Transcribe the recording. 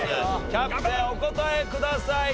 キャプテンお答えください。